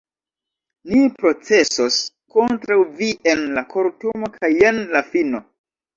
ni procesos kontraŭ vi en la kortumo, kaj jen la fino.